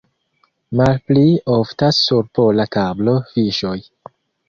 Malpli oftas sur pola tablo fiŝoj.